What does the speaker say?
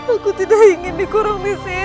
aku tidak ingin dikurung disini